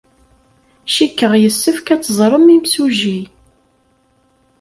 Cikkeɣ yessefk ad teẓrem imsujji.